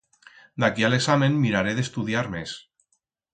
D'aquí a l'examen miraré d'estudiar mes.